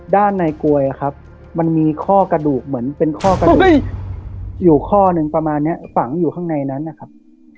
ด้านในกลวยครับมันมีข้อกระดูกเหมือนเป็นข้อกระดูกอยู่ข้อหนึ่งประมาณนี้ฝังอยู่ข้างในนั้นนะครับ